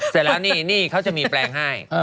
เสร็จแล้วนี่เขาจะมีแปลงให้